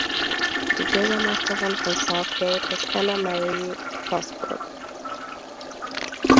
Die Bürgermeisterin von Southgate ist Anna Marie Fosbrooke.